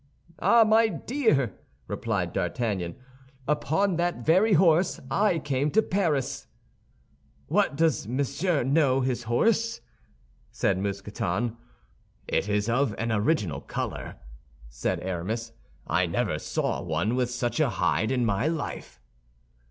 "Ah, my dear," replied D'Artagnan, "upon that very horse I came to Paris." "What, does Monsieur know this horse?" said Mousqueton. "It is of an original color," said Aramis; "I never saw one with such a hide in my life."